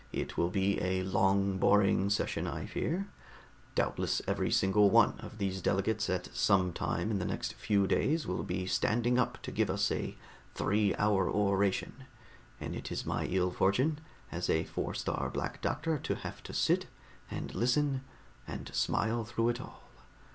It will be a long boring session, I fear. Doubtless every single one of these delegates at some time in the next few days will be standing up to give us a three hour oration, and it is my ill fortune as a Four star Black Doctor to have to sit and listen and smile through it all.